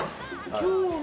今日は。